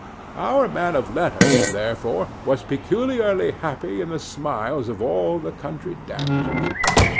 Our man of letters, therefore, was peculiarly happy in the smiles of all the country damsels.